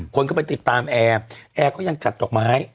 คนก็ไปติดตามแอร์แอร์ก็ยังจัดดอกไม้